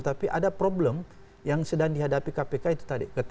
tapi ada problem yang sedang dihadapi kpk itu tadi